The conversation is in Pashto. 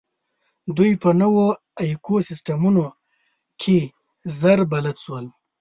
دوی په نوو ایکوسېسټمونو کې ژر بلد شول.